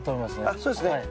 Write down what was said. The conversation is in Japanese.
あっそうですね。